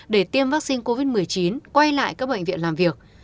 để tiêm vaccine covid một mươi chín quay lại các bệnh viện làm việc